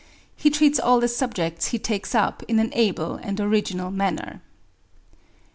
He treats all the subjects he takes up in an able and original manner.